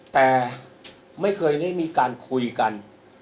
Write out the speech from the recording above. แต่ไม่เคยได้มีการคุยกัน